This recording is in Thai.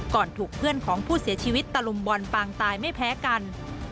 ถูกเพื่อนของผู้เสียชีวิตตะลุมบอลปางตายไม่แพ้กัน